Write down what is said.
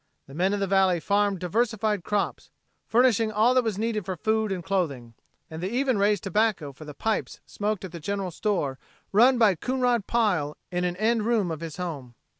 The men of the valley farmed diversified crops, furnishing all that was needed for food and clothing, and they even raised tobacco for the pipes smoked at the general store run by Coonrod Pile in an end room of his home.